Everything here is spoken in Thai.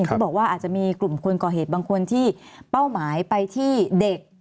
เขาบอกว่าอาจจะมีกลุ่มคนก่อเหตุบางคนที่เป้าหมายไปที่เด็ก